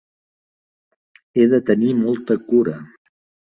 He de tenir molta cura.